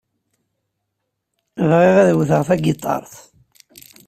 Bɣiɣ ad wteɣ tagiṭart.